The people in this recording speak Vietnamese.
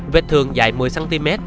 vết thường dài một mươi cm